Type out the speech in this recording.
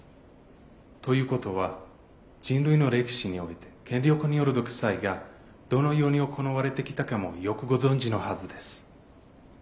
ということは人類の歴史において権力による独裁がどのように行われてきたかもよくご存じのはずです。